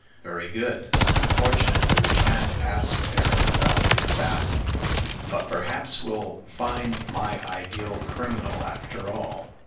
"Very good. Unfortunately we can't ask there about the Assassins. But perhaps we'll find my ideal criminal after all.